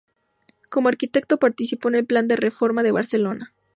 Como arquitecto participó en el plan de reforma de Barcelona.